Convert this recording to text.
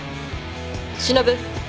忍。